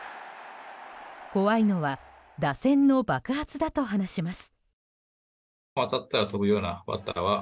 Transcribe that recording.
怖いのは打線の爆発だと話します。